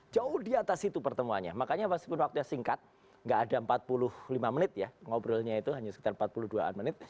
jauh di atas itu pertemuannya makanya meskipun waktunya singkat gak ada empat puluh lima menit ya ngobrolnya itu hanya sekitar empat puluh dua an menit